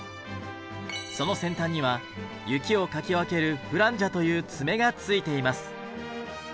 その先端には雪をかき分けるフランジャという爪がついています。